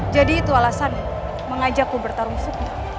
jadi itu alasan mengajakku bertarung sukma